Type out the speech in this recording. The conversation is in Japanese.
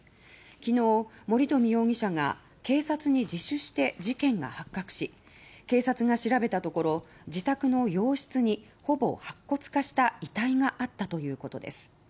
きのう森冨容疑者が警察に自首して事件が発覚し警察が調べたところ自宅の洋室に、ほぼ白骨化した遺体があったということです。